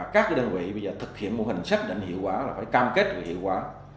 các đơn vị bây giờ thực hiện mô hình xác định hiệu quả là phải cam kết và hiệu quả